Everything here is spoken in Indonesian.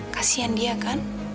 kasian dia kan